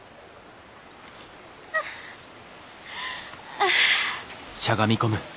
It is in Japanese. ああ。